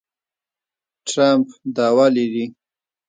ټرمپ دعوه لري